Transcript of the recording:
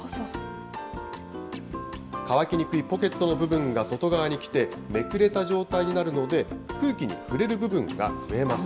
乾きにくいポケットの部分が外側に来て、めくれた状態になるので、空気に触れる部分が増えます。